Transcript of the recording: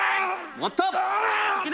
もっと。